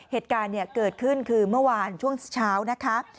เหตุการณ์เกิดขึ้นคือเมื่อวานช่วงเช้านะคะ